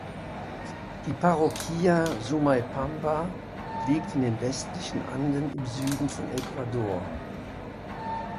Die Parroquia Sumaypamba liegt in den westlichen Anden im Süden von Ecuador.